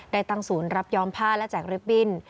ตั้งศูนย์รับย้อมผ้าและแจกริบบิ้น